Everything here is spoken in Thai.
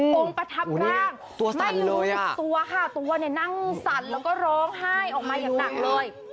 องค์ประทับร่างไม่รู้สึกตัวค่ะตัวเนี่ยนั่งสั่นแล้วก็ร้องไห้ออกมาอย่างหนักเลย